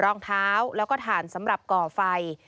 รองเท้าแล้วก็ถ่านสำหรับก่อไฟ